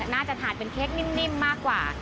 น่าจะทานเป็นเค้กนิ่มมากกว่า